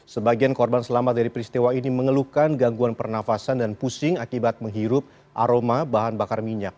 sebagian korban selamat dari peristiwa ini mengeluhkan gangguan pernafasan dan pusing akibat menghirup aroma bahan bakar minyak